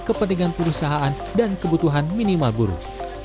kepentingan perusahaan dan kebutuhan minimal buruh